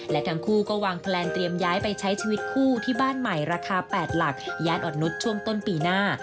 และทั้งคู่ก็วางแพลนเตรียมย้ายไปใช้ชีวิตคู่ที่บ้านใหม่ราคา๘หลักยานอ่อนนุษย์ช่วงต้นปีหน้า